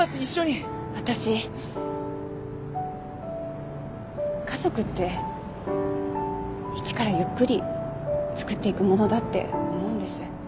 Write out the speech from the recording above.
私家族って一からゆっくりつくっていくものだって思うんです。